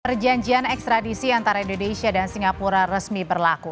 perjanjian ekstradisi antara indonesia dan singapura resmi berlaku